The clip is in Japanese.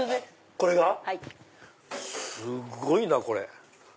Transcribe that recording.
これが⁉すごいなこれ。